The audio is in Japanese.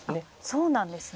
そうなんですね。